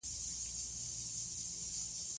دا تخمونه زرغونیږي او لوییږي